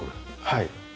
はい。